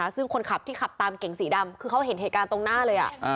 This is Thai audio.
ซึ่งคนขับที่ขับตามเก่งสีดำคือเขาเห็นเหตุการณ์ตรงหน้าเลย